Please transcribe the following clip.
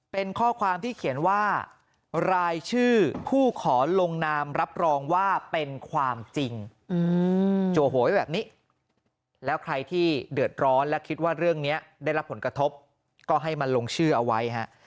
เป็นข้อความที่เขียนว่ารายชื่อผู้ขอลงนามรับรองว่าเป็นความจริงจัวโหยแบบนี้แล้วใครที่เดือดร้อนและคิดว่าเรื่องนี้ได้รับผลกระทบก็ให้มันลงชื่อเอาไว้ฮะ